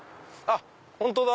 本当だ！